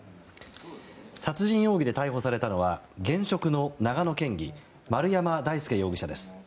殺人容疑で逮捕されたのは現職の長野県議丸山大輔容疑者です。